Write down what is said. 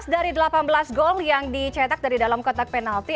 tujuh belas dari delapan belas gol yang dicetak dari dalam kotak penalti